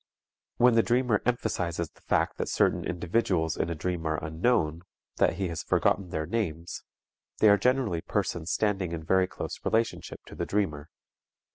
When the dreamer emphasizes the fact that certain individuals in a dream are unknown, that he has forgotten their names, they are generally persons standing in very close relationship to the dreamer.